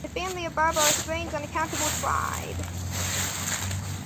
The family above are a strange unaccountable tribe